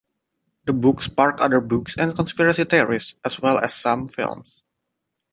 The book sparked other books and conspiracy theories, as well as some films.